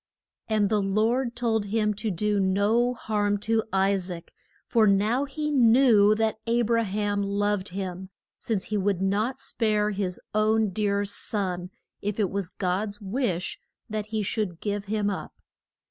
And the Lord told him to do no harm to I saac, for now he knew that A bra ham loved him, since he would not spare his own dear son if it was God's wish that he should give him up.